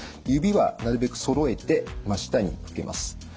指はなるべくそろえて真下に向けます。